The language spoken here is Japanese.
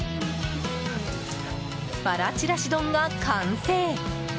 ばらちらし丼が完成。